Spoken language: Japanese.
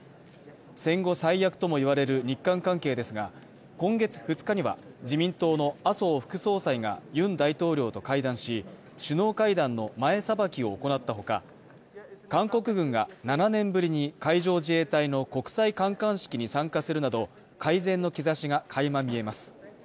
戦後最悪とも言われる日韓関係ですが、今月２日には自民党の麻生副総裁がユン大統領と会談し、首脳会談の前さばきを行ったほか、韓国軍が７年ぶりに海上自衛隊の国際観艦式に参加するなど、改善の兆しがかいま見えます。